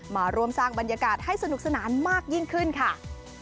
มาร่วมสร้างบรรยากาศให้สนุกสนานมากยิ่งขึ้นค่ะ